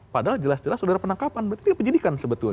padahal jelas jelas sudah ada penangkapan berarti dia penyidikan sebetulnya